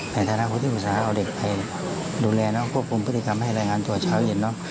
ในฐานะคนที่ปรึกษาเอาเด็กไปดูแลเนอะควบคุมพฤติกรรมให้รายงานตัวเช้าเย็นเนอะ